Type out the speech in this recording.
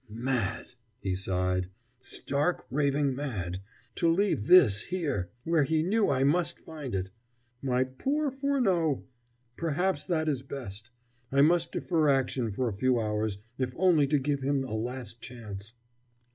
"Mad!" he sighed, "stark, staring mad to leave this here, where he knew I must find it. My poor Furneaux! Perhaps that is best. I must defer action for a few hours, if only to give him a last chance."